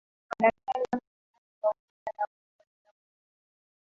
Kwa daktari wake binafsi kwa kosa la kuua bila kukusudia